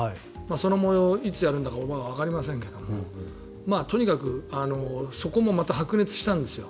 その模様、いつやるんだかわかりませんけどもとにかくそこもまた白熱したんですよ。